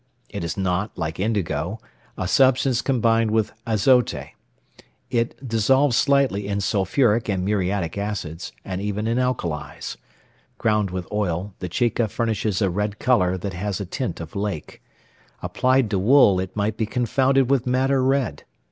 It is not, like indigo, a substance combined with azote. It dissolves slightly in sulphuric and muriatic acids, and even in alkalis. Ground with oil, the chica furnishes a red colour that has a tint of lake. Applied to wool, it might be confounded with madder red.